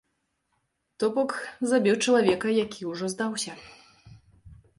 То бок, забіў чалавека, які ўжо здаўся.